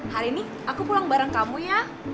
hari ini aku pulang bareng kamu ya